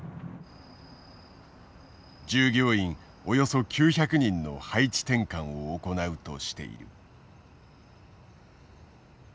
従業員およそ９００人の配置転換を行うとしている。